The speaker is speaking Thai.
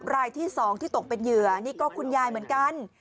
รายที่๒ที่ตกเป็นเหยื่อนี่ก็คุณยายเหมือนกัน